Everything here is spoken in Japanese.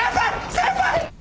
先輩！